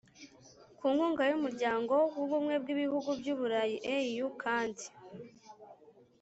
Ku nkunga y Umuryango w Ubumwe bw Ibihugu by Uburayi E U kandi